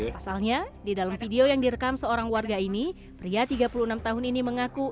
pasalnya di dalam video yang direkam seorang warga ini pria tiga puluh enam tahun ini mengaku